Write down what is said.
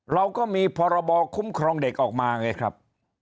เราก็มีพรบคุ้มครองเด็กออกมาไงครับ